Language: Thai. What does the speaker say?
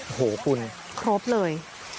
โอ้โหคุณครบเลย